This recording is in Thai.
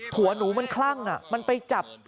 หัวหนูมันคลั่งมันไปจับ